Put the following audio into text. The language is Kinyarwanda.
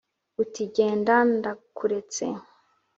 Uti: genda ndakuretse.